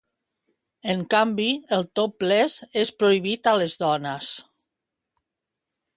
En canvi, el 'topless' és prohibit a les dones.